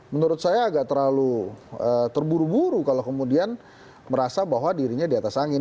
menurut saya agak terlalu terburu buru kalau kemudian merasa bahwa dirinya di atas angin